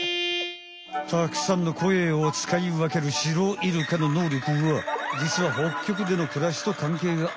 たくさんの声をつかいわけるシロイルカののうりょくはじつは北極でのくらしと関係がある。